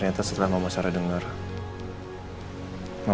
dia pasti kecapean